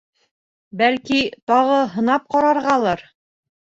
Бәлки, тағы һынап ҡарарғалыр?